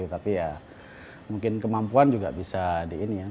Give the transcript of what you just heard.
tapi ya mungkin kemampuan juga bisa di ini ya